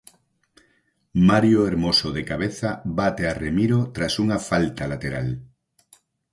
Mario Hermoso de cabeza bate a Remiro tras unha falta lateral.